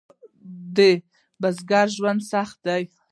د بزګر ژوند سخت دی؟